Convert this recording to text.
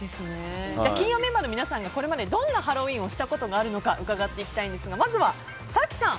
金曜メンバーの皆さんがこれまでどんなハロウィーンをしたことがあるか伺っていきたいんですがまずは早紀さん